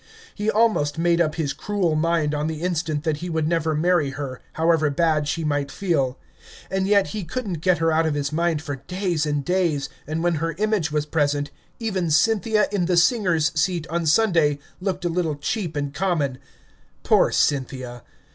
He almost made up his cruel mind on the instant that he would never marry her, however bad she might feel. And yet he could n't get her out of his mind for days and days, and when her image was present, even Cynthia in the singers' seat on Sunday looked a little cheap and common. Poor Cynthia!